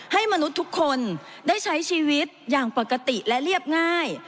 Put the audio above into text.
มนุษย์ทุกคนได้ใช้ชีวิตอย่างปกติและเรียบง่าย